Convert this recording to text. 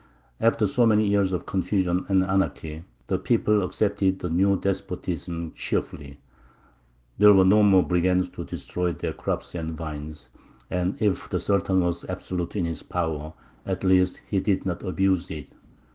After so many years of confusion and anarchy, the people accepted the new despotism cheerfully. There were no more brigands to destroy their crops and vines; and if the Sultan was absolute in his power, at least he did not abuse it.